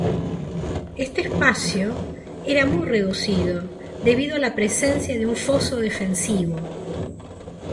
Este espacio era muy reducido debido a la presencia de un foso defensivo.